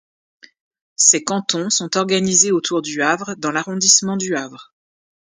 Ces cantons sont organisés autour du Havre dans l'arrondissement du Havre.